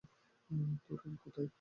তোর রুম কোথায়?